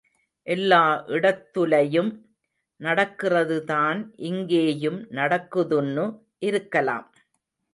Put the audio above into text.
எல்லா இடத்துலயும் நடக்கிறதுதான் இங்கேயும் நடக்குதுன்னு இருக்கலாம்.